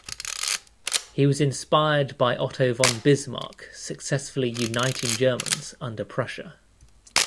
He was inspired by Otto von Bismarck successfully uniting Germans under Prussia.